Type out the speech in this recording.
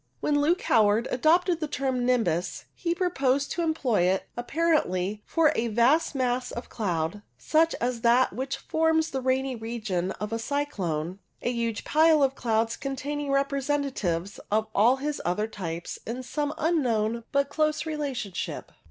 When Luke Howard adopted the term " nimbus," he proposed to employ it, ap parently, for a vast mass of cloud such as that which forms the rainy region of a cyclone ; a huge pile of clouds containing representatives of all his other types in some unknown but close relationship.